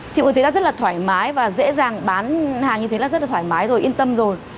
thì mọi người thấy rất là thoải mái và dễ dàng bán hàng như thế là rất là thoải mái rồi yên tâm rồi